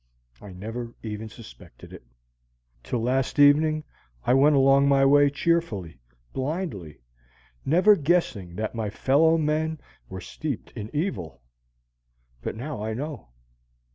I never even suspected it. Till last evening I went along my way cheerfully, blindly, never guessing that my fellow men were steeped in evil. But now I know.